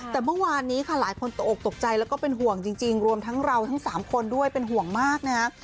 แต่เมื่อวานนี้ค่ะหลายคนตกออกตกใจแล้วก็เป็นห่วงจริงรวมทั้งเราทั้ง๓คนด้วยเป็นห่วงมากนะฮะ